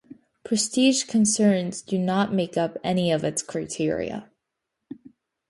Prestige concerns do not make up any of its criteria.